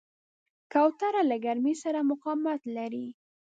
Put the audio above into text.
کوتره له ګرمۍ سره مقاومت لري.